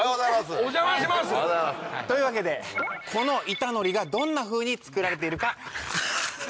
お邪魔します！というわけでこの板のりがどんなふうに作られているか。